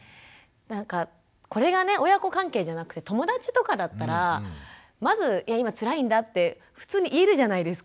なんかこれがね親子関係じゃなくて友達とかだったらまず今つらいんだって普通に言えるじゃないですか。